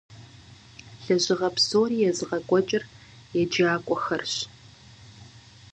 Лэжьыгъэ псори езыгъэкӀуэкӀыр еджакӀуэхэрщ.